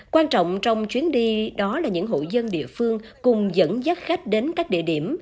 quan trọng trong chuyến đi đó là những hộ dân địa phương cùng dẫn dắt khách đến các địa điểm